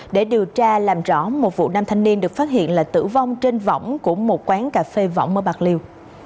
để điều tra làm rõ một vụ nam thanh niên được phát hiện là tử vong trên vỏng của một quán cà phê vỏng ở bạc liêu